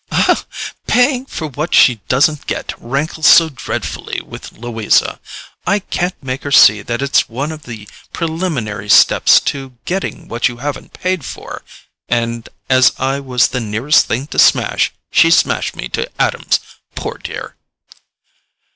"Paying for what she doesn't get rankles so dreadfully with Louisa: I can't make her see that it's one of the preliminary steps to getting what you haven't paid for—and as I was the nearest thing to smash, she smashed me to atoms, poor dear!"